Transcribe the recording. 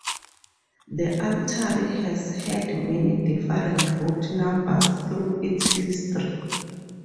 The Artery has had many different route numbers through its history.